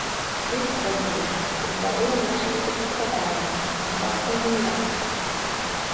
Ёсць, вядома ж, групавыя нашыя практыкаванні, мастацкая гімнастыка.